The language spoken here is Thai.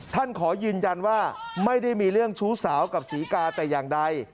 ขอยืนยันว่าไม่ได้มีเรื่องชู้สาวกับศรีกาแต่อย่างใด